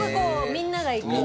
みんなが行く店？